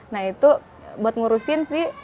nah itu buat ngurusin sih